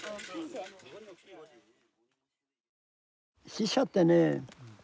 死者ってね